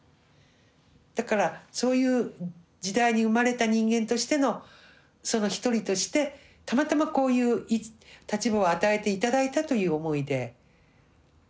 だからそういう時代に生まれた人間としてのその一人としてたまたまこういう立場を与えて頂いたという思いで今はおります。